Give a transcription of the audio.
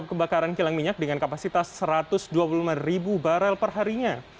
kebakaran kilang minyak dengan kapasitas satu ratus dua puluh lima ribu barel perharinya